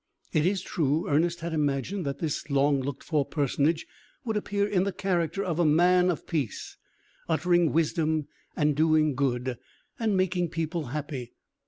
It is true, Ernest had imagined that this long looked for personage would appear in the character of a man of peace, uttering wisdom and doing good, and making people happy.